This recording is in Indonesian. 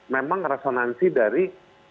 memang resonansi dari